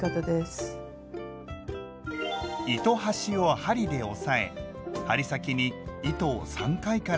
糸端を針で押さえ針先に糸を３回から５回巻きつけます。